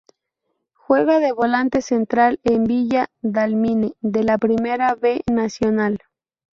Juega de volante central en Villa Dálmine de la Primera B Nacional.